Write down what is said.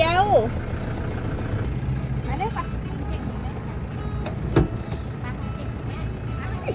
มาด้วยกล่ะ